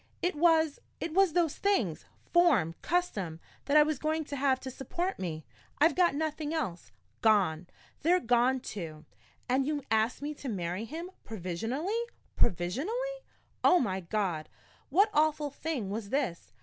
It was it was those things form, custom that I was going to have to support me. I've got nothing else. Gone they're gone, too! And you ask me to marry him provisionally provisionally! Oh, my God! what awful thing was this?